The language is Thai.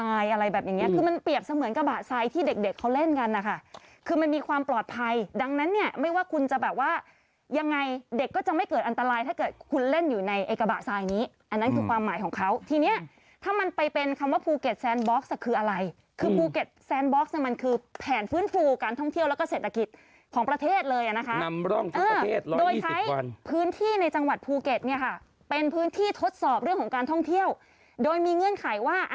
กระบะทรายอะไรแบบอย่างเงี้ยคือมันเปรียบเสมือนกระบะทรายที่เด็กเขาเล่นกันนะคะคือมันมีความปลอดภัยดังนั้นเนี่ยไม่ว่าคุณจะแบบว่ายังไงเด็กก็จะไม่เกิดอันตรายถ้าเกิดคุณเล่นอยู่ในกระบะทรายนี้อันนั้นคือความหมายของเขาทีเนี้ยถ้ามันไปเป็นคำว่าภูเก็ตแซนบ็อกซ์คืออะไรคือภูเก็ตแซนบ็อกซ์มั